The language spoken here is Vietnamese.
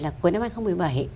là cuối năm hai nghìn một mươi bảy